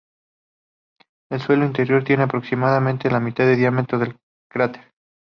El suelo interior tiene aproximadamente la mitad del diámetro del cráter.